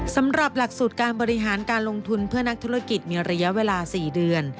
สำหรับหลักสูตรการบริหารการลงทุนเพื่อนักธุรกิจมีระยะเวลา๔เดือน